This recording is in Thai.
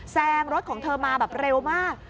แซงรถของเธอมาแบบเร็วมาก